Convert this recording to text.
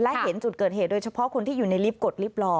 และเห็นจุดเกิดเหตุโดยเฉพาะคนที่อยู่ในลิฟต์กดลิฟต์รอ